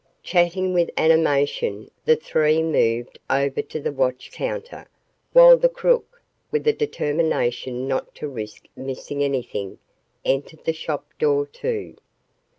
Chatting with animation, the three moved over to the watch counter, while the crook, with a determination not to risk missing anything, entered the shop door, too.